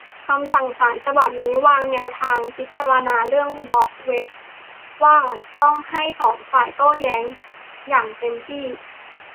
คำสั่งศาลฉบับนี้วางแนวทางการพิจารณาเรื่องบล็อกเว็บ ว่าต้องให้สองฝ่ายโต้แย้งอย่างเต็มที่